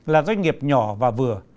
là doanh nghiệp nhỏ và vừa